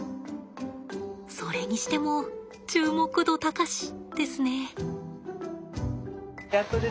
それにしても注目度高しですね。